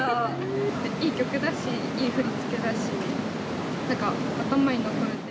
いい曲だし、いい振り付けだし、なんか頭に残るんで。